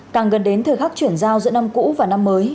càng gần đến thời khắc chuyển giao giữa năm cũ và năm mới